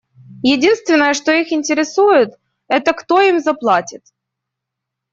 Единственное, что их интересует, — это кто им заплатит.